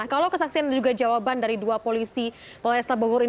kalau kesaksian dan juga jawaban dari dua polisi polresta bogor ini